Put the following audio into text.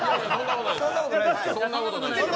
そんなことない。